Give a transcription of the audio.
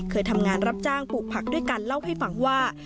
เคยทำงานรับจ้างปลูกผักด้วยกันเล่าให้ฟังว่า